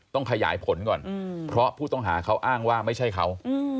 ต้องขยายผลก่อนเพราะผู้ต้องหาเขาอ้างว่าไม่ใช่เขา